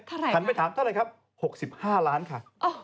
หันไปถามเท่าไหร่ครับ๖๕ล้านค่ะ